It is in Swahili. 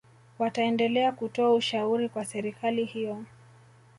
wataendelea kutoa ushauri kwa serikali hiyo